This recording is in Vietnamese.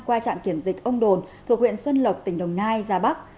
qua trạm kiểm dịch ông đồn thuộc huyện xuân lộc tỉnh đồng nai ra bắc